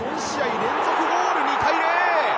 ４試合連続ゴール、２対０！